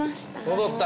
戻った！